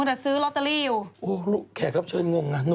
ข้าบอกว่ามีหนูถูกกี่งวดครับนะ